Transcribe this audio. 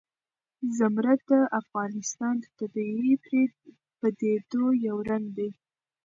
زمرد د افغانستان د طبیعي پدیدو یو رنګ دی.